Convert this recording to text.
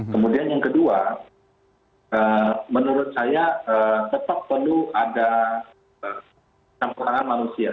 kemudian yang kedua menurut saya tetap perlu ada campur tangan manusia